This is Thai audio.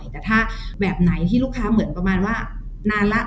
แต่ถ้าแบบไหนที่ลูกค้าเหมือนประมาณว่านานแล้ว